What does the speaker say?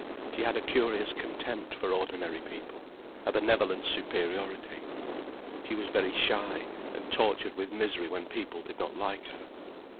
She had a curious contempt for ordinary people, a benevolent superiority. She was very shy, and tortured with misery when people did not like her.